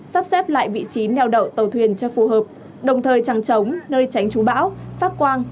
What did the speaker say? sắp xếp lại vị trí nèo đậu tàu thuyền cho phù hợp đồng thời trắng trống nơi tránh trúng bão phát quang